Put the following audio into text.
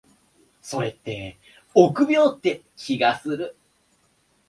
それって臆病って気がする。